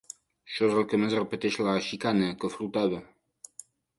Això és el que més repeteix la xicana, que flotava.